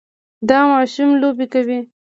دا ماشوم لوبې کوي.